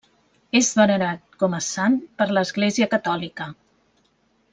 És venerat com a Sant per l'Església catòlica.